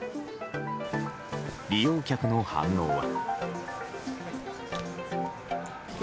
利用客の反応は。